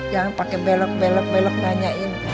jangan pakai belok belok belok nanyain